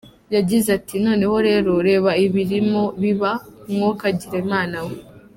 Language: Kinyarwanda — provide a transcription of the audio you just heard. Yagize ati “Noneho rero, reba ibirimo biba, mwokagira Imana mwe!